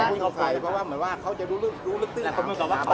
เพราะว่ามันว่าเค้าจะรู้ลึกจึ้งหนักบัน